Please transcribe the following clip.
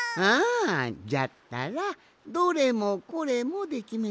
じゃったらどれもこれもできめたらどうじゃ？